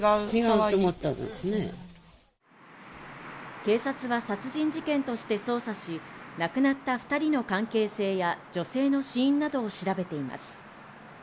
警察は殺人事件として捜査し、亡くなった２人の関係性や女性の死因などを調べています。